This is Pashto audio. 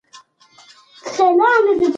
منډېلا وویل چې زما په فطرت کې د چا سپکول نشته.